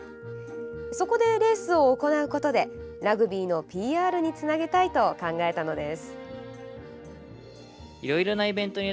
そこで、レースを行うことでラグビーのＰＲにつなげたいと考えたのです。